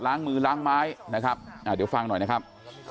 ล้างมือล้างไม้นะครับเดี๋ยวฟังหน่อยนะครับ